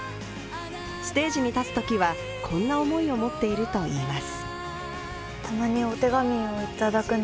ステージに立つときは、こんな思いを持っているといいます。